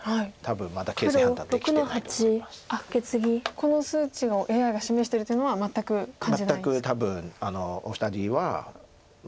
この数値をＡＩが示してるというのは全く感じないんですか。